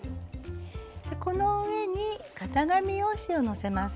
この上に型紙用紙をのせます。